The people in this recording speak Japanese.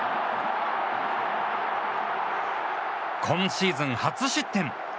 今シーズン初失点。